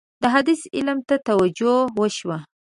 د حدیث علم ته توجه وشوه.